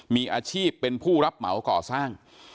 มีอาชีพเป็นผู้รับเหมาก่อสร้าง